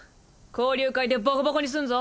交流会でボコボコにすんぞ。